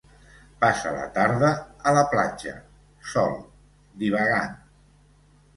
Passa la tarda a la platja, sol, divagant.